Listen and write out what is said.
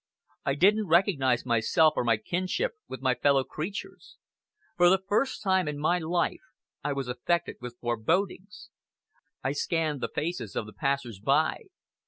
I did not recognize myself or my kinship with my fellow creatures. For the first time in my life, I was affected with forebodings. I scanned the faces of the passers by.